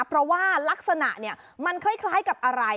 เพราะว่ารักษณะมันคล้ายกับอะไร